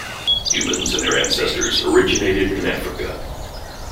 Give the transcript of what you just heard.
Humans and their ancestors originated in Africa.